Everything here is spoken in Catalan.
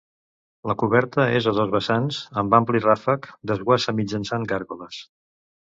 La coberta és a dos vessants, amb un ampli ràfec, desguassa mitjançant gàrgoles.